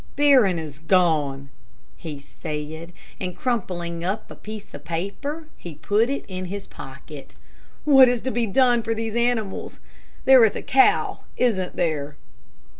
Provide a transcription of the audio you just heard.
"Barron is gone," he said, and crumpling up a piece of paper, he put it in his pocket "What is to be done for these animals? There is a cow, isn't there?"